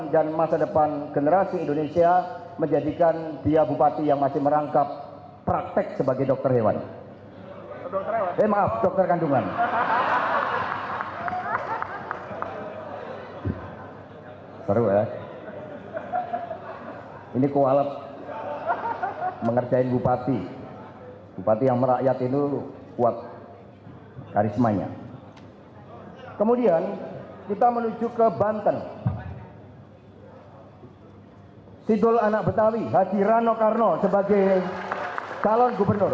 dari aceh kita menuju gorontalo